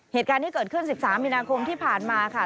เหตุการณ์ที่เกิดขึ้น๑๓มีนาคมที่ผ่านมาค่ะ